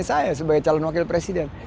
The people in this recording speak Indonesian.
itu kampanye saya sebagai calon wakil presiden